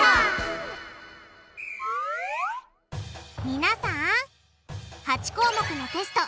皆さん８項目のテスト